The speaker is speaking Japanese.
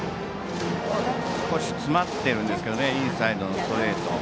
少し詰まっているんですけどねインサイドのストレート。